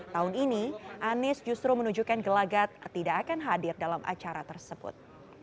tahun ini anies justru menunjukkan gelagat tidak akan hadir dalam acara tersebut